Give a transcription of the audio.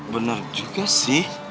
bener juga sih